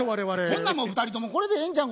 ほんならもう２人ともこれでええんちゃう？